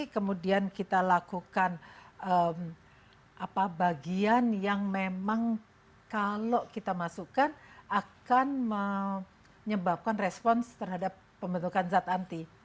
kemudian kita lakukan bagian yang memang kalau kita masukkan akan menyebabkan respons terhadap pembentukan zat anti